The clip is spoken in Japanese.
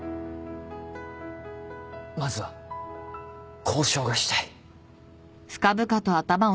まずは交渉がしたい。